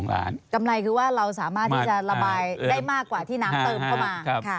กำไรคือว่าเราสามารถที่จะระบายได้มากกว่าที่น้ำเติมเข้ามา